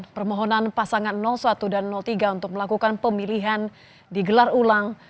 permohonan pasangan satu dan tiga untuk melakukan pemilihan digelar ulang